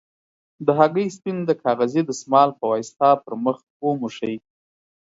د هګۍ سپین د کاغذي دستمال په واسطه پر مخ وموښئ.